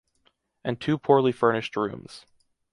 And two poorly furnished rooms.